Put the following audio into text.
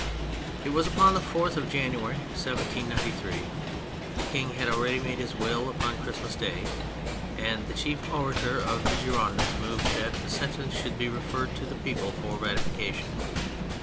It was upon the 4th of January, 1793 (the King had already made his will upon Christmas Day), that the chief orator of the Girondins moved that the sentence should be referred to the people for ratification.